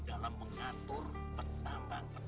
ayo kerja lagi